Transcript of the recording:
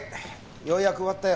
ようやく終わったよ。